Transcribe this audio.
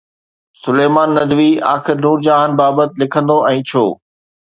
سليمان ندوي آخر نور جهان بابت لکندو ۽ ڇو؟